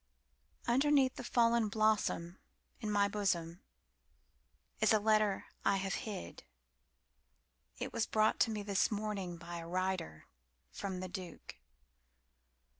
Underneath the fallen blossomIn my bosom, Is a letter I have hid.It was brought to me this morning by a rider from the Duke.